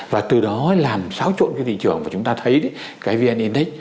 và từ đó làm sáu trộn cái thị trường và chúng ta thấy cái vn index